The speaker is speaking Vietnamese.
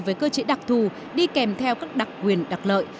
với cơ chế đặc thù đi kèm theo các đặc quyền đặc lợi